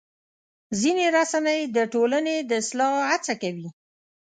ځینې رسنۍ د ټولنې د اصلاح هڅه کوي.